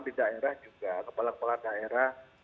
di daerah juga kepala kepala daerah